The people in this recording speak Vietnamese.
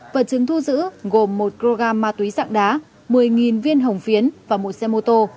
vật chứng thu giữ gồm một kg ma túy dạng đá một mươi viên hồng phiến và một xe mô tô